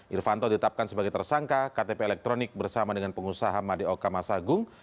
irvanto ditapkan sebagai tersangka ktp elektronik bersama dengan pengusaha madyo kamasagung